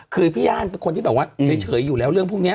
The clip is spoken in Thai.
คือพี่ย่านเป็นคนที่แบบว่าเฉยอยู่แล้วเรื่องพวกนี้